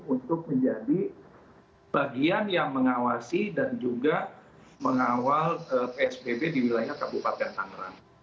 untuk menjadi bagian yang mengawasi dan juga mengawal psbb di wilayah kabupaten tangerang